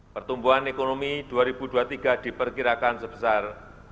pertumbuhan ekonomi dua ribu dua puluh tiga diperkirakan sebesar